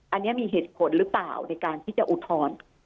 อันนี้มีเหตุผลหรือเปล่าในการที่จะอุทธรณ์